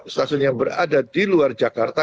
stasiun yang berada di luar jakarta